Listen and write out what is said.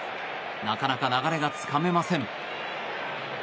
なかなか流れがつかめません。